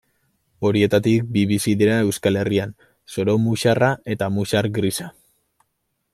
Horietatik bi bizi dira Euskal Herrian, soro-muxarra eta muxar grisa.